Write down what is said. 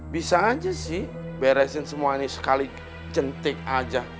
bisa aja sih beresin semua ini sekali jentik aja